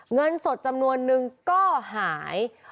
เงินสดจำนวนนึงก็หาย